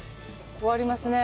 終わりますね。